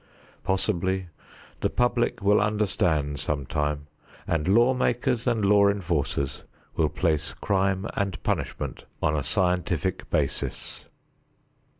Possibly the public will understand sometime, and law makers and law enforcers will place crime and punishment on a scientific basis.